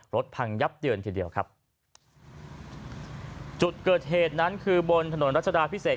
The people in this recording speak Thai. พังยับเยินทีเดียวครับจุดเกิดเหตุนั้นคือบนถนนรัชดาพิเศษ